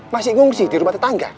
masih ngungsi di rumah tetangga